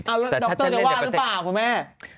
เอาดรจะว่าหรือเปล่าคุณแม่